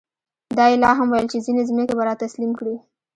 دا یې لا هم ویل چې ځینې ځمکې به را تسلیم کړي.